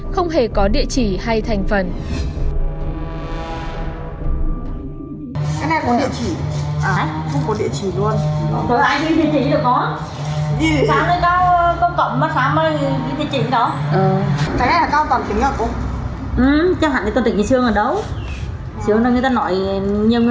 không hề có địa chỉ hay thành phần